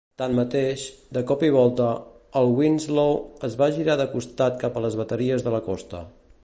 Tanmateix, de cop i volta, el Winslow es va girar de costat cap a les bateries de la costa.